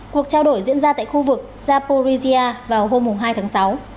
cuộc trao đổi diễn ra tại khu vực zaporizia vào hôm hai tháng sáu